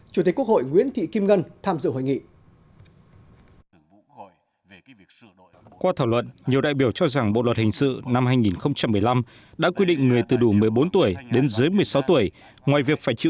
chủ tịch quốc hội nguyễn thị kim ngân tham dự hội nghị